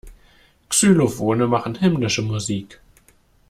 Xylophone machen himmlische Musik.